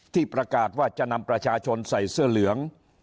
ที่ประกาศว่าจะนำประชาชนใส่เสื้อเหลือง